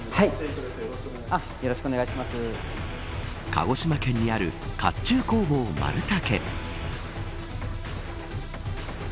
鹿児島県にある甲冑工房丸武。